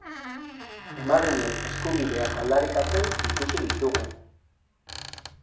Emaginen eskubiak aldarrikatzen ikusi ditugu.